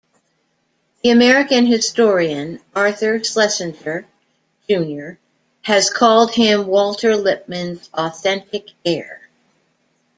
The American historian Arthur Schlesinger, Junior has called him Walter Lippmann's authentic heir.